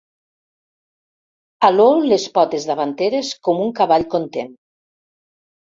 Aló les potes davanteres com un cavall content.